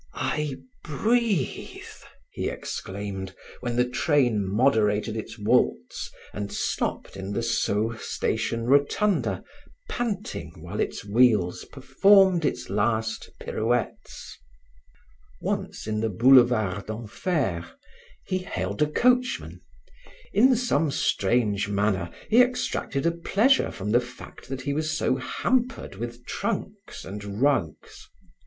"I breathe!" he exclaimed when the train moderated its waltz and stopped in the Sceaux station rotunda, panting while its wheels performed its last pirouettes. Once in the boulevard d'Enfer, he hailed a coachman. In some strange manner he extracted a pleasure from the fact that he was so hampered with trunks and rugs.